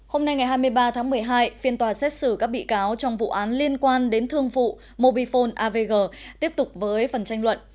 hôm nay ngày hai mươi ba tháng một mươi hai phiên tòa xét xử các bị cáo trong vụ án liên quan đến thương vụ mobifone avg tiếp tục với phần tranh luận